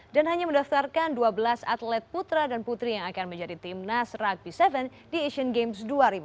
dan hanya mendaftarkan dua belas atlet putra dan putri yang akan menjadi timnas rugby tujuh di asian games dua ribu delapan belas